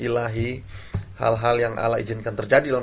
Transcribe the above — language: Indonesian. mari berjalan ke sion